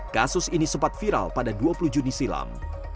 kasus ini sempat viral pada dua puluh juni silam